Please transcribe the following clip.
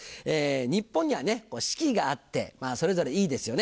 日本には四季があってそれぞれいいですよね。